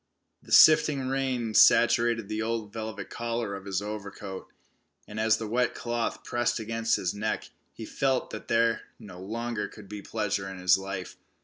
The sifting rain saturated the old velvet collar of his overcoat, and as the wet cloth pressed against his neck, he felt that there no longer could be pleasure in life.